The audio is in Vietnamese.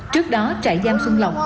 trước đó trại giam xuân lộc